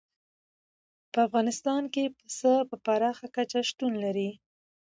په افغانستان کې پسه په پراخه کچه شتون لري.